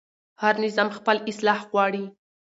هر نظام خپل اصلاح غواړي